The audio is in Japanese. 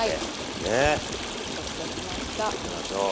よそっておきましょう。